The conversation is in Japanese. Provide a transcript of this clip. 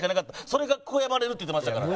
それが悔やまれるって言ってましたから。